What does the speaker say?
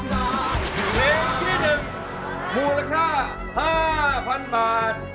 เพลงที่๑มูลค่า๕๐๐๐บาท